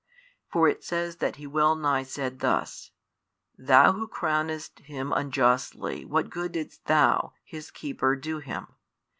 For it says that he well nigh said thus, Thou who crownedst him unjustly what good didst Thou, his Keeper, do him?